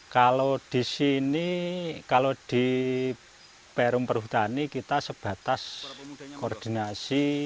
kalau di sini kalau di perum perhutani kita sebatas koordinasi